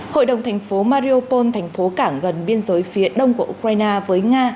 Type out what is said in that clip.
hội đồng thành phố mariopol thành phố cảng gần biên giới phía đông của ukraine với nga